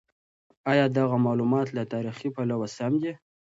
ایا دغه مالومات له تاریخي پلوه سم دي؟